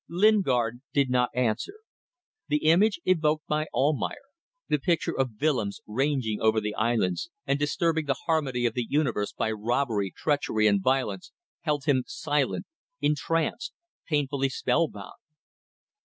Lingard did not answer. The image evoked by Almayer; the picture of Willems ranging over the islands and disturbing the harmony of the universe by robbery, treachery, and violence, held him silent, entranced painfully spellbound.